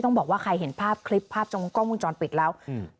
บอกว่าใครเห็นภาพคลิปภาพจงกล้องมุมจรปิดแล้วอืม